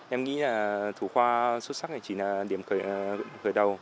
em nghĩ là thủ khoa xuất sắc này chỉ là điểm khởi đầu